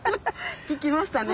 効きましたね。